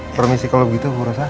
permisi kalo begitu bu rosa